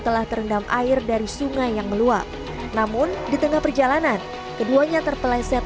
telah terendam air dari sungai yang meluap namun di tengah perjalanan keduanya terpeleset